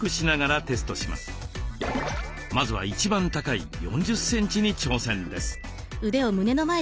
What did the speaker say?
まずは一番高い４０センチに挑戦です。